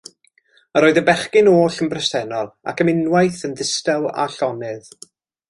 Yr oedd y bechgyn oll yn bresennol, ac am unwaith yn ddistaw a llonydd.